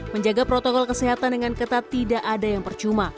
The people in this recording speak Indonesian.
menjaga protokol kesehatan dengan ketat tidak ada yang percuma